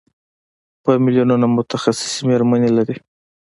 په میلیونونو متخصصې مېرمنې لري.